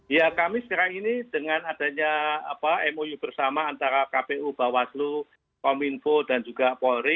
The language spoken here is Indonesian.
ya kami sekarang ini dengan adanya mou bersama antara kpu bawaslu kominfo dan juga polri